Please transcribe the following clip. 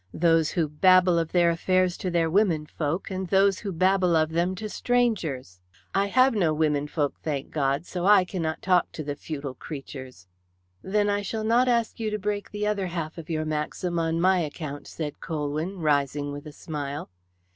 Those who babble of their affairs to their womenfolk, and those who babble of them to strangers. I have no womenfolk, thank God! so I cannot talk to the futile creatures." "Then I shall not ask you to break the other half of your maxim on my account," said Colwyn, rising with a smile.